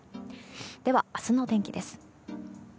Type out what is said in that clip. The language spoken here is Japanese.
では明日の天気です。